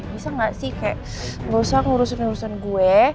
bisa gak sih kayak gak usah ngurusin urusan gue